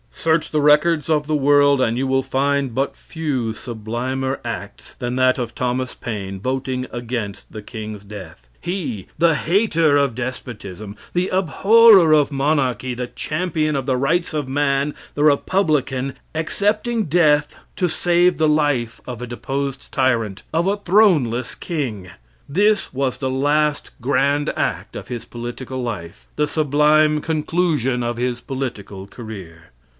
Search the records of the world and you will find but few sublimer acts than that of Thomas Paine voting against the king's death. He, the hater of despotism, the abhorer of monarchy, the champion of the rights of man, the republican, accepting death to save the life of a deposed tyrant of a throneless king! This was the last grand act of his political life the sublime conclusion of his political career.